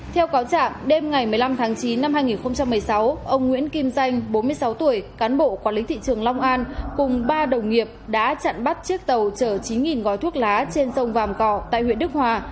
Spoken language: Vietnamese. theo cáo trạng đêm ngày một mươi năm tháng chín năm hai nghìn một mươi sáu ông nguyễn kim danh bốn mươi sáu tuổi cán bộ quản lý thị trường long an cùng ba đồng nghiệp đã chặn bắt chiếc tàu chở chín gói thuốc lá trên sông vàm cỏ tại huyện đức hòa